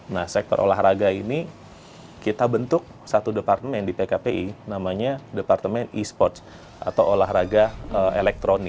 nah sektor olahraga ini kita bentuk satu departemen di pkpi namanya departemen e sports atau olahraga elektronik